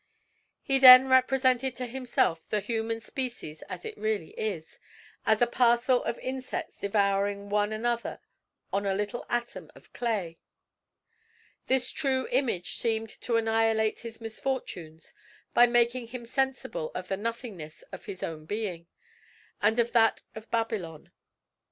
He then represented to himself the human species as it really is, as a parcel of insects devouring one another on a little atom of clay. This true image seemed to annihilate his misfortunes, by making him sensible of the nothingness of his own being, and of that of Babylon.